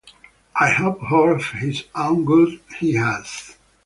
I hope for his own good he has.